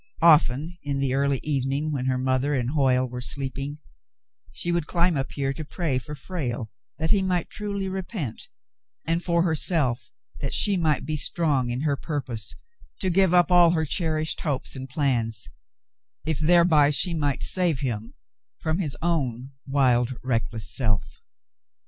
Often in the early evening when her mother and Hoyle were sleeping, she would climb up here to pray for Frale that he might truly repent, and for herself that she might 111 112 The Mountain Girl be strong in her purpose to give up all her cherished hopes and plans, if thereby she might save him from his own wild, reckless self.